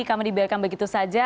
kami dibiarkan begitu saja